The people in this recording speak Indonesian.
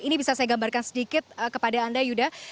ini bisa saya gambarkan sedikit kepada anda yuda